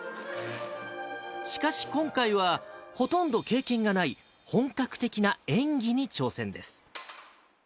しかし、今回は、ほとんど経験がない本格的な演技に挑戦です。